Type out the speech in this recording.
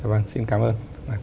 vâng xin cảm ơn